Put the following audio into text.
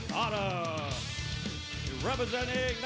สวัสดีครับทุกคน